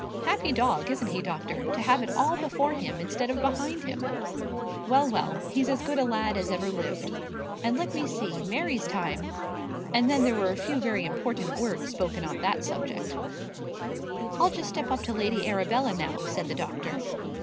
"Happy dog, isn't he, doctor? to have it all before him instead of behind him. Well, well; he's as good a lad as ever lived, as ever lived. And let me see; Mary's time " And then there were a few very important words spoken on that subject. "I'll just step up to Lady Arabella now," said the doctor.